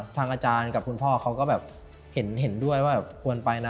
ทางอาจารย์กับคุณพ่อเขาก็แบบเห็นด้วยว่าควรไปนะ